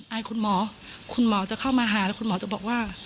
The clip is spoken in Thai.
อายคุณหมอคุณหมอจะเข้ามาหาแล้วคุณหมอจะบอกว่า